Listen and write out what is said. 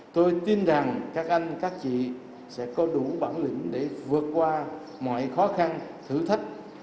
tôi tin rằng các anh các chị sẽ có đủ bản lĩnh để vượt qua mọi khó khăn thử thách